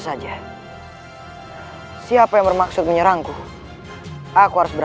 saya akan menjaga kebenaran raden